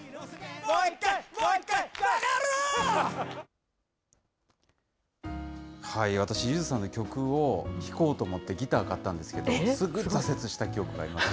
もう一回、もう一回、私、ゆずさんの曲を聴こうと思って、ギター買ったんですけど、すぐ挫折した記憶があります。